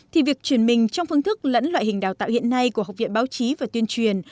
thì việc chuyển mình trong phương thức lẫn loại hình đào tạo hiện nay của học viện báo chí và tuyên truyền